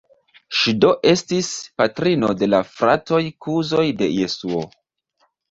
Ŝi do estis patrino de la fratoj-kuzoj de Jesuo.